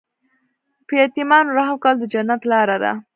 په یتیمانو رحم کول د جنت لاره ده.